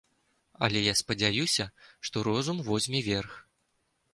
Але я спадзяюся, што розум возьме верх.